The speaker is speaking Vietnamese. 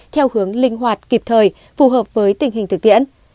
theo hướng linh hoạt kịp thời phù hợp với tình hình thực tiễn